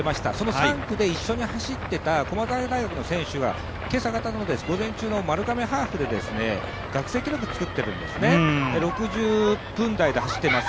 ３区で一緒に走ってた駒澤大学の選手は今朝方の午前中の丸亀ハーフで学生記録作っているんですね、６０分台で走っています。